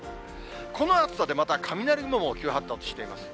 この暑さでまた雷雲も急発達しています。